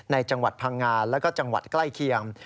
จังหวัดพังงานแล้วก็จังหวัดใกล้เคียง